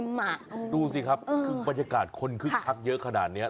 มันเต็มอ่ะดูสิครับคือบรรยากาศคนขึ้นทักเยอะขนาดเนี้ย